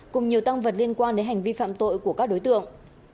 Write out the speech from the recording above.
cùng nhiều tăng vật liên quan đến hành vi phạm tội của các đối tượng